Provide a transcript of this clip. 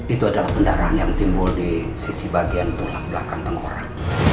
itu adalah kendaraan yang timbul di sisi bagian belakang tengkorak